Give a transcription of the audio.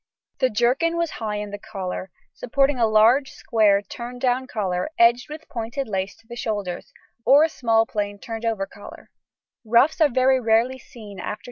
The jerkin was high in the collar, supporting a large, square, turn down collar edged with pointed lace to the shoulders, or a small, plain, turn over collar; ruffs are very rarely seen after 1630.